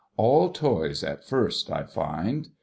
All toys at first, I. find.